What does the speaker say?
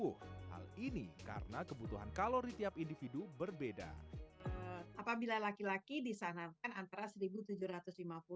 hal ini karena kebutuhan kalori tiap individu berbeda apabila laki laki disarankan antara seribu tujuh ratus lima puluh